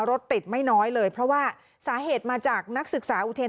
รถติดไม่น้อยเลยเพราะว่าสาเหตุมาจากนักศึกษาอุเทรน